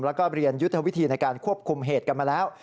แล้วก็เรียนยุทธวิธีในการควบคุมเหตุกันมาแล้ว